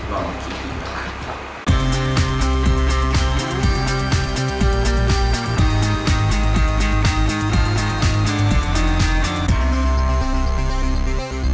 ลองมาคิดดีกว่าล่ะครับ